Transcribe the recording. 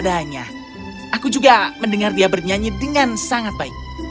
aku juga mendengar dia bernyanyi dengan sangat baik